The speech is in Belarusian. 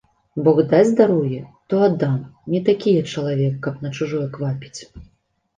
Бог дасць здароўе, то аддам, не такі я чалавек, каб на чужое квапіць.